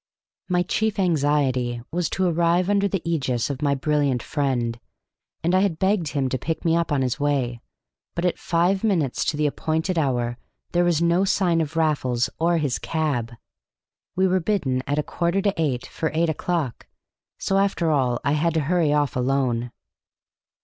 My chief anxiety was to arrive under the ægis of my brilliant friend, and I had begged him to pick me up on his way; but at five minutes to the appointed hour there was no sign of Raffles or his cab. We were bidden at a quarter to eight for eight o'clock, so after all I had to hurry off alone.